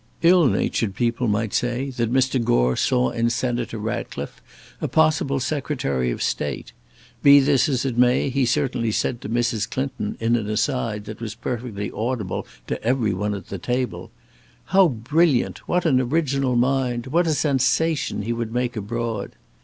Ill natured people might say that Mr. Gore saw in Senator Ratcliffe a possible Secretary of State; be this as it may, he certainly said to Mrs. Clinton, in an aside that was perfectly audible to every one at the table: "How brilliant! what an original mind! what a sensation he would make abroad!"